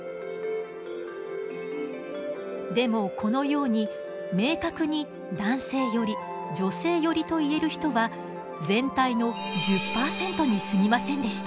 でもこのように明確に男性寄り女性寄りと言える人は全体の１０％にすぎませんでした。